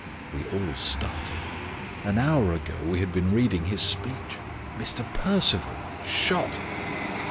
We all started. An hour ago we had been reading his speech. Mr. Perceval shot!